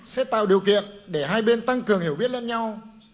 sẽ tạo điều kiện để hai bên tăng cường hiểu biết lẫn nhau